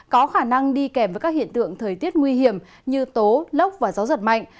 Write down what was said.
có khả năng đi kèm với các hiện tượng thời tiết nguy hiểm như tố lốc và gió giật mạnh